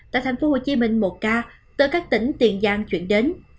tại tp hcm một ca từ các tỉnh tiền giang chuyển đến